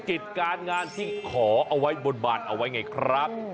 กิจการงานที่ขอเอาไว้บนบานเอาไว้ไงครับ